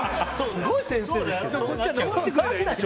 すごい先生ですけどね。